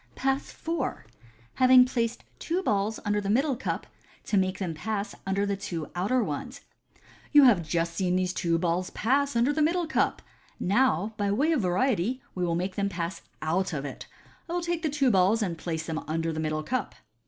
Pass IV. Having placed two Balls under the Middle Cup, to make them pass under the two Outer ones. — "You have just seen these two balls pass under the middle cup j now, by way of variety, we will make them pass out of it. I will take the two balls, and place them under the middle cup."